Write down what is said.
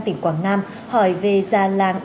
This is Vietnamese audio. tỉnh quảng nam hỏi về già làng